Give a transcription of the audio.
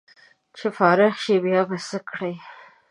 چې فارغ شې بیا به څه کړې